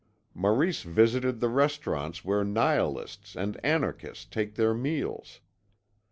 Maurice visited the restaurants where nihilists and anarchists take their meals.